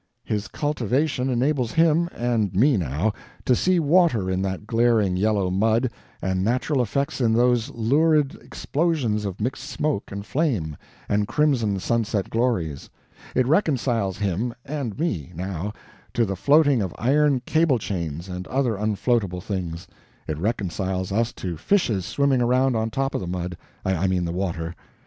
His cultivation enables him and me, now to see water in that glaring yellow mud, and natural effects in those lurid explosions of mixed smoke and flame, and crimson sunset glories; it reconciles him and me, now to the floating of iron cable chains and other unfloatable things; it reconciles us to fishes swimming around on top of the mud I mean the water.